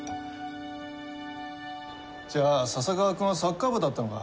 じゃあ笹川君はサッカー部だったのか。